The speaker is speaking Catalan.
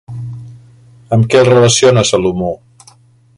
Amb què el relaciona, Salomó?